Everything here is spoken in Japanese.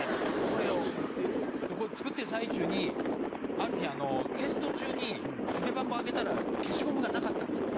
これ作ってる最中にある日あのテスト中に筆箱開けたら消しゴムがなかったんですよ。